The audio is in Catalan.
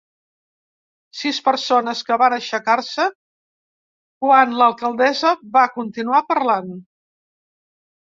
Sis persones que van aixecar-se quan l’alcaldessa va continuar parlant.